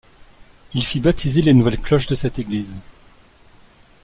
Il fit baptiser les nouvelles cloches de cette église.